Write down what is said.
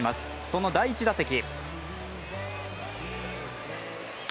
その第１打席。